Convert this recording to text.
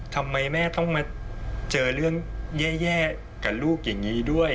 ทำไมแม่ต้องมาเจอเรื่องแย่กับลูกอย่างนี้ด้วย